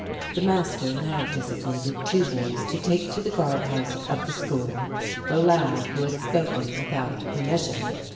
The master now designated two boys to take to the guardhouse of the school the lad who had spoken without permission.